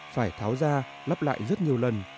phải tháo ra lắp lại rất nhiều lần